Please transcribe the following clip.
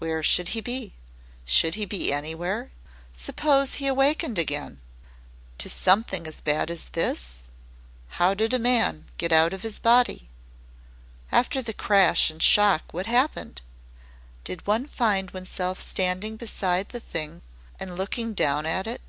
Where should he be? Should he be anywhere? Suppose he awakened again to something as bad as this? How did a man get out of his body? After the crash and shock what happened? Did one find oneself standing beside the Thing and looking down at it?